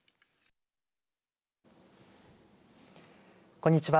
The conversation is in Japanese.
こんにちは。